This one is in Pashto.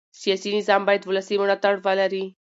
سیاسي نظام باید ولسي ملاتړ ولري